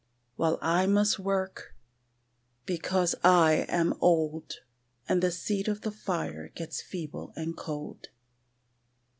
While I must work, because I am old And the seed of the fire gets feeble and cold.